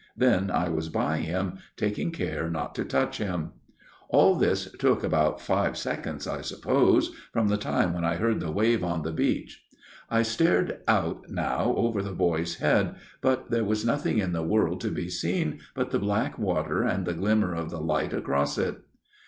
Then I was by him, taking care not to touch him. " All this took about five seconds, I suppose, from the time when I heard the wave on the beach. I stared out now over the boy's head, but there was nothing in the world to be seen but the black water and the glimmer of the light across it.